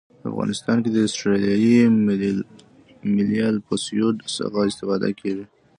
په افغانستان کې د اسټرلیایي ملي الپسویډ څخه استفاده کیږي